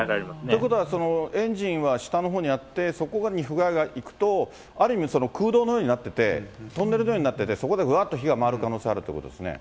ということは、エンジンは下のほうにあって、そこに不具合がいくと、ある意味、空洞のようになっていて、トンネルのようになってて、そこがぶわっと火が回る可能性がということですね。